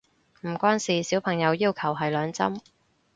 唔關事，小朋友要求係兩針